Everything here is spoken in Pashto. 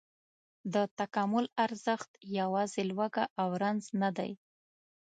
د تکامل ارزښت یواځې لوږه او رنځ نه دی.